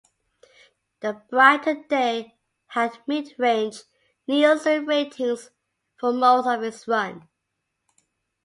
"The Brighter Day" had mid-range Nielsen ratings for most of its run.